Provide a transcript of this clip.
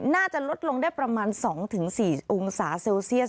น่าจะลดลงได้ประมาณ๒๔องศาเซลเซียส